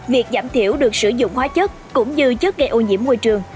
việc giảm thiểu được sử dụng hóa chất cũng như chất gây ô nhiễm môi trường